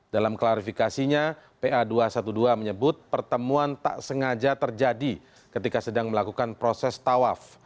dalam klarifikasinya pa dua ratus dua belas menyebut pertemuan tak sengaja terjadi ketika sedang melakukan proses tawaf